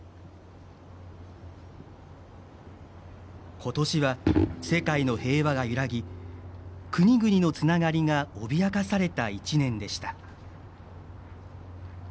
今年は世界の平和が揺らぎ国々のつながりが脅かされた一年でした。